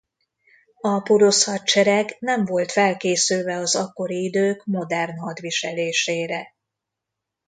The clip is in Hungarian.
A porosz hadsereg nem volt felkészülve az akkori idők modern hadviselésére.